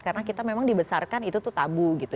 karena kita memang dibesarkan itu tuh tabu gitu